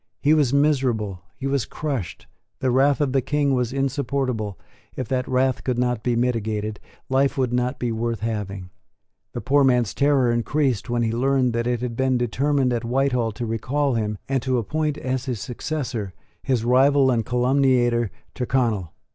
He was miserable; he was crushed; the wrath of the King was insupportable; if that wrath could not be mitigated, life would not be worth having. The poor man's terror increased when he learned that it had been determined at Whitehall to recall him, and to appoint, as his successor, his rival and calumniator, Tyrconnel.